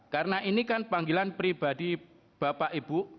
karena ini kan panggilan pribadi bapak ibu